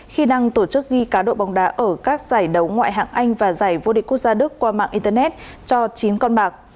khi đang tổ chức ghi cá độ bóng đá ở các giải đấu ngoại hạng anh và giải vô địch quốc gia đức qua mạng internet cho chín con bạc